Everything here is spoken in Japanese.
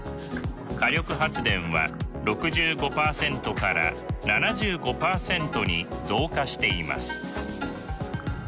火力発電は６５％から７５％に増加しています。